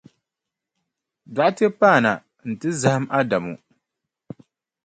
Dɔɣite paana nti zahim Adamu.